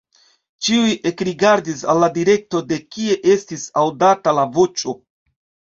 Ĉiuj ekrigardis al la direkto, de kie estis aŭdata la voĉo.